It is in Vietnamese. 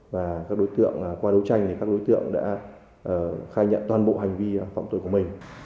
và các đối tượng qua đấu tranh thì các đối tượng đã khai nhận toàn bộ hành vi phạm tội của mình